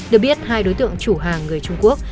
được biết hai đối tượng chủ hàng người trung quốc